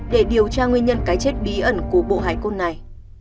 để điều tra nguyên nhân cái chết bí ẩn của bộ hải cốt này